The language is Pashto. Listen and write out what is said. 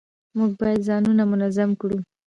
موږ باید ځانونه منظم کړو